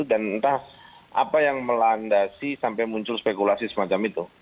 dan entah apa yang melandasi sampai muncul spekulasi semacam itu